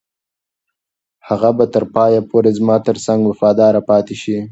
هغه به تر پایه پورې زما تر څنګ وفاداره پاتې شي.